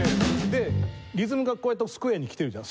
でリズムがこうやってスクエアにきてるじゃん。